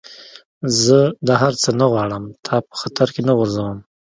زه دا هر څه نه غواړم، تا په خطر کي نه غورځوم.